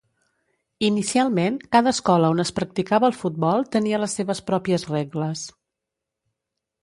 Inicialment, cada escola on es practicava el futbol tenia les seves pròpies regles.